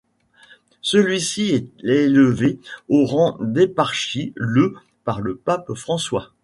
Celui-ci est élevé au rang d'éparchie le par le pape François.